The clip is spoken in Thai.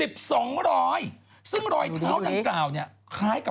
พูดเป็นอ๋อแซมมาก